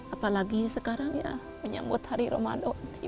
apalagi sekarang ya menyambut hari ramadan